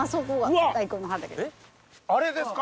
あれですか？